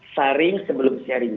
sharing sebelum sharing